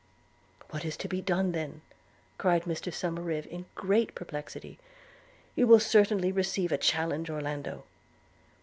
'What is to be done, then?' cried Somerive in great perplexity. 'You will certainly receive a challenge, Orlando.'